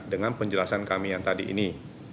dengan penjelasan kami yang tadi ini